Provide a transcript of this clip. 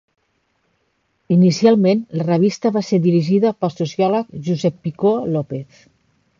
Inicialment, la revista va ser dirigida pel sociòleg Josep Picó López.